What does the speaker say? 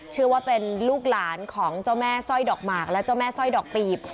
ชื่อว่าเป็นลูกหลานของเจ้าแม่สร้อยดอกหมากและเจ้าแม่สร้อยดอกปีบ